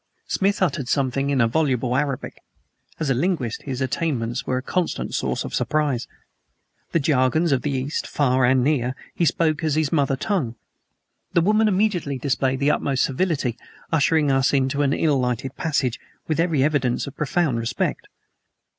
Smith uttered something in voluble Arabic. As a linguist his attainments were a constant source of surprise. The jargons of the East, Far and Near, he spoke as his mother tongue. The woman immediately displayed the utmost servility, ushering us into an ill lighted passage, with every evidence of profound respect.